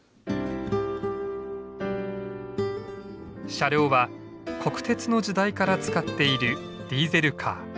車両は国鉄の時代から使っているディーゼルカー。